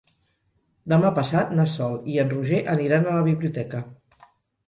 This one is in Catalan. Demà passat na Sol i en Roger aniran a la biblioteca.